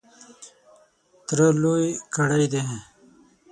تره لوی کړی دی .